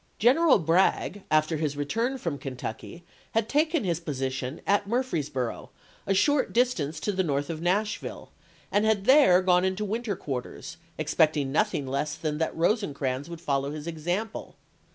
General Bragg, after his return from Kentucky, had taken position at Murfreesboro, a short dis tance to the south of Nashville, and had there gone into winter quarters, expecting nothing less than that Rosecrans would follow his example.